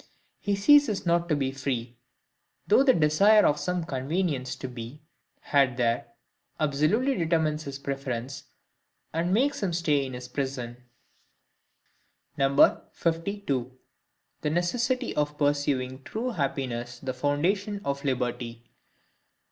He ceases not to be free; though the desire of some convenience to be had there absolutely determines his preference, and makes him stay in his prison. 52. The Necessity of pursuing true Happiness the Foundation of Liberty.